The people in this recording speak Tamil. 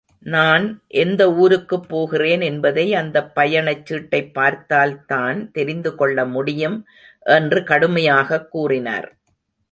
நான் எந்த ஊருக்குப் போகிறேன் என்பதை அந்தப் பயணச்சீட்டைப் பார்த்தால்தான் தெரிந்துகொள்ள முடியும் என்று கடுமையாகக் கூறினார்.